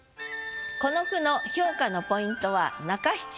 この句の評価のポイントは中七